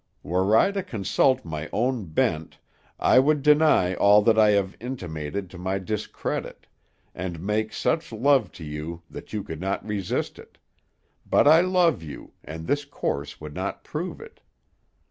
Were I to consult my own bent, I would deny all that I have intimated to my discredit, and make such love to you that you could not resist it; but I love you, and this course would not prove it.